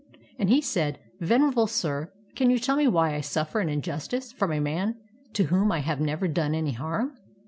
And he said: '' Venerable sir, can you tell me why I suffer an injustice from a man to whom I have never done any harm?"